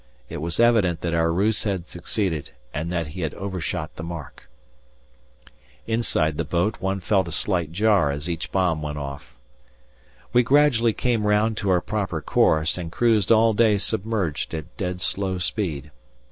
It was evident that our ruse had succeeded and that he had overshot the mark. [Footnote 1: 180°] Inside the boat one felt a slight jar as each bomb went off. We gradually came round to our proper course, and cruised all day submerged at dead slow speed.